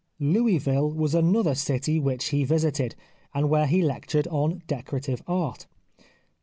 Louisville was another city which he visited, and where he lectured on " Decorative Art."